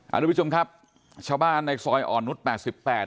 ทุกผู้ชมครับชาวบ้านในซอยอ่อนนุษย์แปดสิบแปด